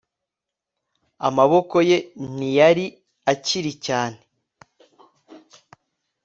amaboko ye ntiyari akiri cyane